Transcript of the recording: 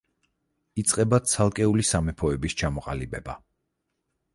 იწყება ცალკეული სამეფოების ჩამოყალიბება.